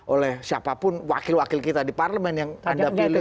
oleh siapapun wakil wakil kita di parlemen yang anda pilih